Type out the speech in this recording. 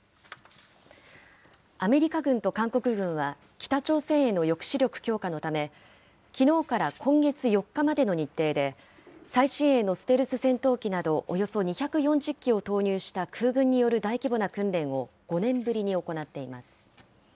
アメリカ軍と韓国軍は、北朝鮮への抑止力強化のため、きのうから今月４日までの日程で、最新鋭のステルス戦闘機などおよそ２４０機を投入した空軍による大規模な訓練を５年ぶりに行っています。